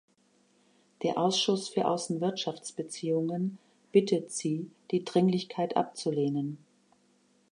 Der Ausschuss für Außenwirtschaftsbeziehungen bittet Sie, die Dringlichkeit abzulehnen.